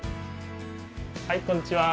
はいこんにちは。